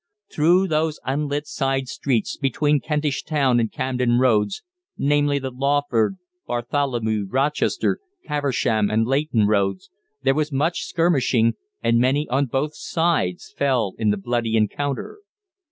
Through those unlit side streets between the Kentish Town and Camden Roads namely, the Lawford, Bartholomew, Rochester, Caversham, and Leighton Roads there was much skirmishing, and many on both sides fell in the bloody encounter.